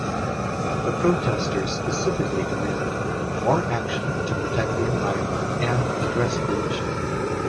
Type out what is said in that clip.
The protesters specifically demanded more action to protect the environment and address pollution.